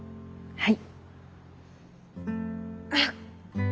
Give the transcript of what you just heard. はい。